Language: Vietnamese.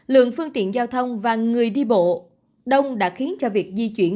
lượng phương tiện giao thông và người đi bộ đông đã khiến cho việc di chuyển